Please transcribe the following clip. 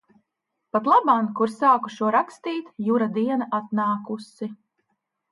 Patlaban, kur sāku šo rakstīt, Jura diena atnākusi.